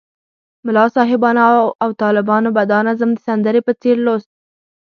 ملا صاحبانو او طالبانو به دا نظم د سندرې په څېر لوست.